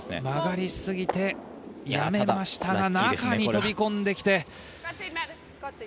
曲がりすぎてやめましたが中に飛び込んできて。